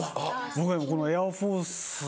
僕はこのエアフォース。